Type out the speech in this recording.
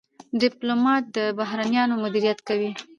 ډيپلومات د بحرانونو مدیریت کوي.